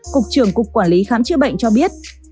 cục trưởng cục quản lý khám chữa bệnh cho biết